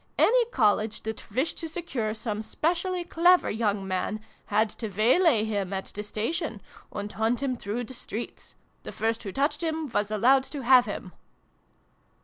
Any College, that wished to secure some specially clever young man, had to waylay him at the Station, and hunt him through the streets. The first who touched him was allowed to have him."